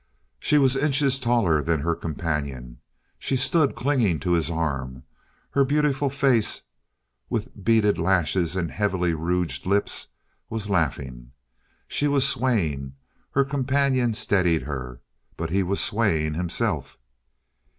She was inches taller than her companion. She stood clinging to his arm; her beautiful face, with beaded lashes and heavily rouged lips, was laughing. She was swaying; her companion steadied her, but he was swaying himself.